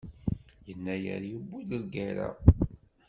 Yennayer yuwi-d lgerra.